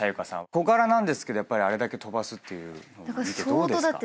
小柄なんですけどやっぱりあれだけ飛ばすっていうのを見てどうですか？